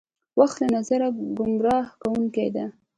وخت له نظره ګمراه کوونکې ده.